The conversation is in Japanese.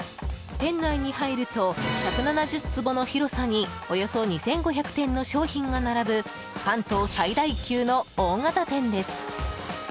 店内に入ると１７０坪の広さにおよそ２５００点の商品が並ぶ関東最大級の大型店です。